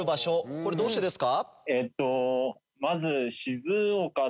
これどうしてですか？